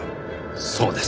そうです。